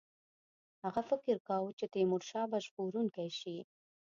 هغه فکر کاوه چې تیمورشاه به ژغورونکی شي.